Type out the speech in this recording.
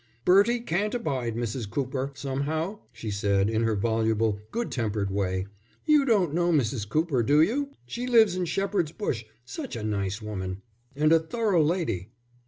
"Bertie can't abide Mrs. Cooper, somehow," she said, in her voluble, good tempered way. "You don't know Mrs. Cooper, do you? She lives in Shepherd's Bush. Such a nice woman, and a thorough lady!"